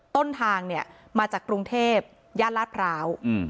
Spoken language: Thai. ต้นทางเนี่ยมาจากกรุงเทพย่านลาดพร้าว